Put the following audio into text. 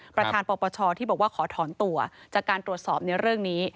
ประธานปปชที่บอกว่าขอถอนตัวจากการตรวจสอบในเรื่องนี้